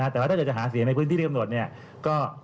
แต่ว่าถ้าจะหาเสียงในพื้นที่ที่กำหนดเนี่ย